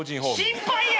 心配や！